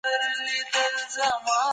موږ پر وختي سهار روان سو.